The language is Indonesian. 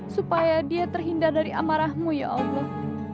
supaya dia terhindar dari amarah mu ya allah